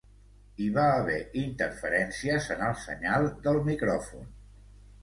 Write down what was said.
Hi va haver interferències en el senyal del micròfon.